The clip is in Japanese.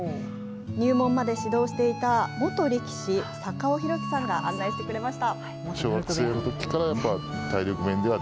入門まで指導していた元力士、坂尾廣毅さんが案内してくれました。